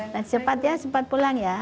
nah cepat ya cepat pulang ya